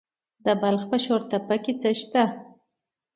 د بلخ په شورتپه کې څه شی شته؟